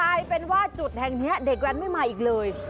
กลายเป็นว่าจุดแห่งนี้เด็กแว้นไม่มาอีกเลย